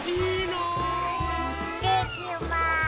いってきます。